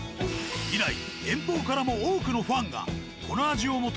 以来遠方からも多くのファンがこの味を求め